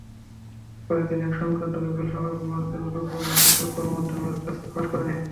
পরে তিনি এ-সংক্রান্ত বিপুলসংখ্যক মার্কিন গোপন নথিপত্র গণমাধ্যমের কাছে ফাঁস করেন।